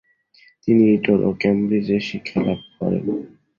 তিনি ইটন এবং ক্যামব্রিজ-এ শিক্ষা লাভ করেন।